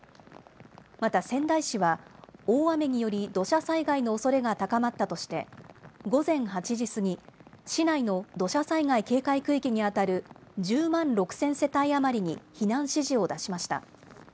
また仙台市は大雨により土砂災害のおそれが高まったとして午前８時過ぎ、市内の土砂災害警戒区域にあたる１０万６０００世帯余りに避難指示を出しました。